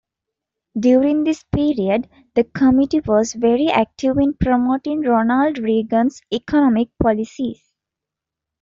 During this period, the committee was very active in promoting Ronald Reagan's economic policies.